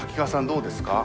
どうですか？